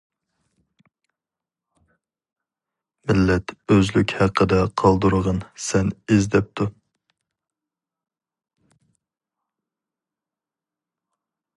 مىللەت ئۆزلۈك ھەققىدە قالدۇرغىن سەن ئىز دەپتۇ.